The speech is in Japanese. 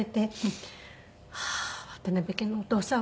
ああー渡辺家のお義父さん